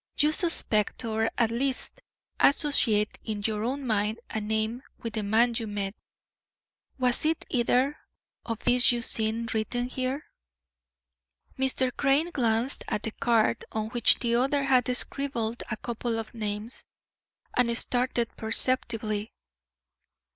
You suspect, or, at least, associate in your own mind a name with the man you met. Was it either of these you see written here?" Mr. Crane glanced at the card on which the other had scribbled a couple of names, and started perceptibly.